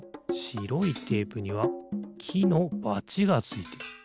しろいテープにはきのバチがついてる。